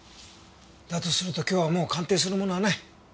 だとすると今日はもう鑑定するものはない。